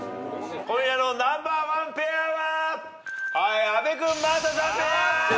今夜のナンバーワンペアは。